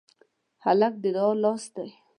هلک د دعا لاس دی.